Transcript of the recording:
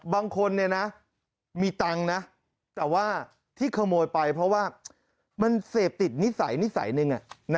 บางคนมีตังค์นะแต่ว่าที่ขโมยไปเพราะว่ามันเสพติดนิสัยนิสัยหนึ่ง